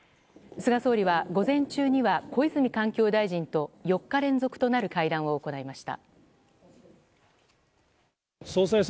菅総理は午前中には小泉環境大臣と４日連続となる会談を行いました。